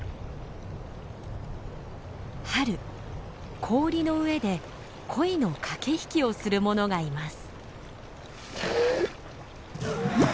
春氷の上で恋の駆け引きをするものがいます。